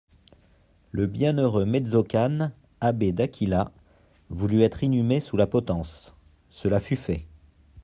Le bienheureux Mezzocane, abbé d'Aquila, voulut être inhumé sous la potence ; cela fut fait.